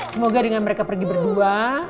semoga dengan mereka pergi berdua